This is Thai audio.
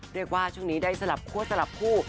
เรียกว่าช่วงนี้ได้สลับคั่วสลับคู่